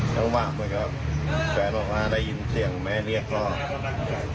ช่างหวังไปก็แปลงออกมาได้ยินเสียงแม่เรียกพ่อ